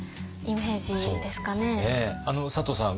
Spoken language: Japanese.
佐藤さん